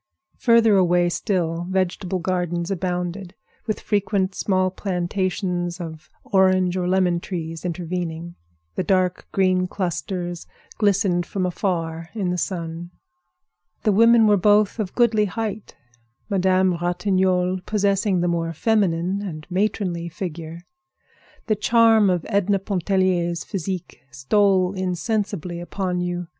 Further away still, vegetable gardens abounded, with frequent small plantations of orange or lemon trees intervening. The dark green clusters glistened from afar in the sun. The women were both of goodly height, Madame Ratignolle possessing the more feminine and matronly figure. The charm of Edna Pontellier's physique stole insensibly upon you.